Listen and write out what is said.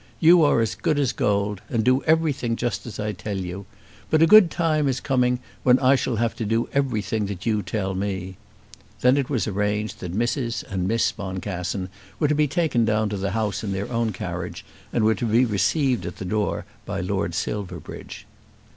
You are as good as gold, and do everything just as I tell you. But a good time is coming, when I shall have to do everything that you tell me." Then it was arranged that Mrs. and Miss Boncassen were to be taken down to the house in their own carriage, and were to be received at the door by Lord Silverbridge.